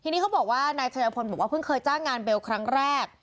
ทีนี้เขาบอกว่านายชายพลบอกว่าเพิ่งเคยจ้างงานเบลครั้งแรก